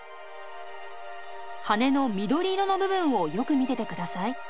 羽の緑色の部分をよく見ててください。